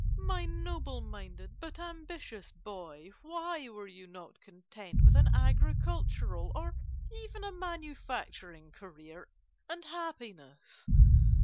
My noble minded but ambitious boy, why were you not content with an agricultural or even a manufacturing career and happiness?